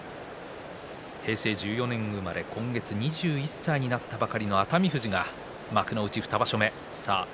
平成１４年生まれ今月２１歳になったばかりの熱海富士が幕内２場所目。